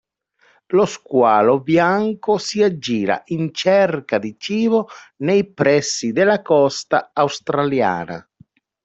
Lo squalo bianco si aggira in cerca di cibo nei pressi della costa australiana.